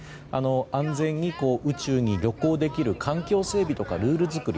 安全に宇宙に旅行できる環境整備とかルール作り